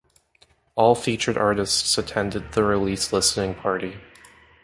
All featured artists attended the release listening party.